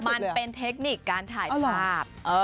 มันเป็นเทคนิคการถ่ายภาพ